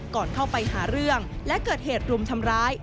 ก่อนเข้าไปหาเรื่องและเกิดเหตุรุมทำร้าย